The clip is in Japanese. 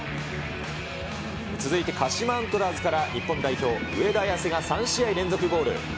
続いて鹿島アントラーズから、日本代表、上田綺世が３試合連続ゴール。